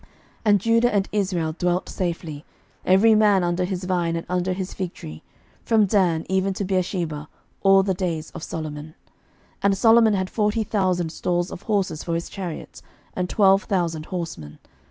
11:004:025 And Judah and Israel dwelt safely, every man under his vine and under his fig tree, from Dan even to Beersheba, all the days of Solomon. 11:004:026 And Solomon had forty thousand stalls of horses for his chariots, and twelve thousand horsemen.